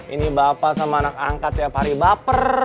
ini bapak sama anak angkat tiap hari baper